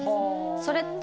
それって。